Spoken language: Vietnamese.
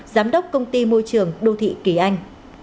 giám đốc công ty môi trường đô thị kỳ anh